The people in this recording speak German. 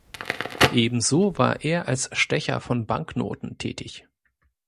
Ebenso war er als Stecher von Banknoten tätig.